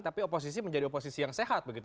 tapi oposisi menjadi oposisi yang sehat begitu